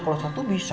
kalau satu bisa